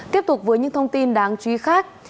tiếp tục với những thông tin đáng trúy khác